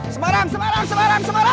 semarang semarang semarang semarang